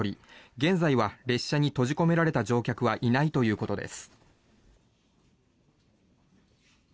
現在は列車に閉じ込められた乗客はいないということです。